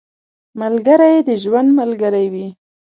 ملګری د ژوند ملګری وي